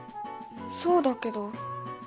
そうだけど。